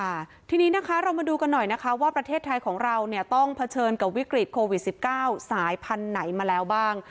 ค่ะทีนี้นะคะเรามาดูกันหน่อยนะคะว่าประเทศไทยของเราเนี่ยต้องเผชิญกับวิกฤตโควิดสิบเก้าสายพันธุ์ไหนมาแล้วบ้าง